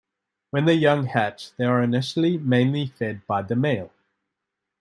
When the young hatch they are initially mainly fed by the male.